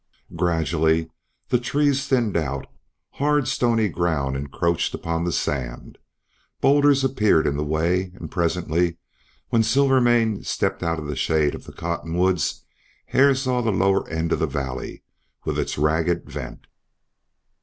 Gradually the trees thinned out, hard stony ground encroached upon the sand, bowlders appeared in the way; and presently, when Silvermane stepped out of the shade of the cottonwoods, Hare saw the lower end of the valley with its ragged vent.